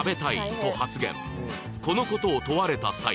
このことを問われた際